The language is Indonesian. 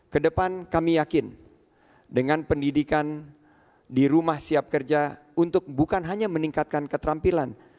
kedepan kami yakin dengan pendidikan di rumah siap kerja untuk bukan hanya meningkatkan keterampilan